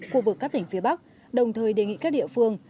khu vực các tỉnh phía bắc đồng thời đề nghị các địa phương